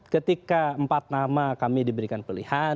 ketika empat nama kami diberikan pilihan